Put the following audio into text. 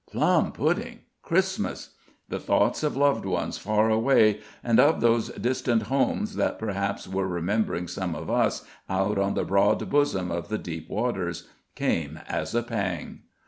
Plum pudding! Christmas! The thoughts of loved ones far away, and of those distant homes that perhaps were remembering some of us out on the broad bosom of the deep waters, came as a pang.